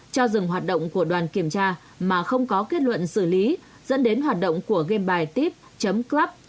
cho dừng hoạt động của đoàn kiểm tra mà không có kết luận xử lý dẫn đến hoạt động của game bài tip club